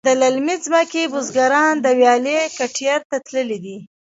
د للمې ځمکې بزگران د ویالې کټیر ته تللي دي.